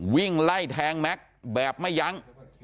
วิ่งไล่แทงแม็กซ์แบบไม่ยั้ง